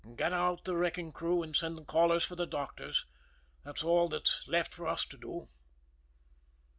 Get out the wrecking crew, and send the callers for the doctors that's all that's left for us to do."